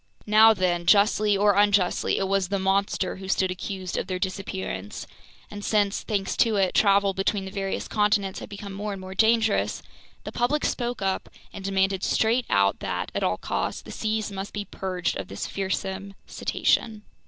Now then, justly or unjustly, it was the "monster" who stood accused of their disappearance; and since, thanks to it, travel between the various continents had become more and more dangerous, the public spoke up and demanded straight out that, at all cost, the seas be purged of this fearsome cetacean.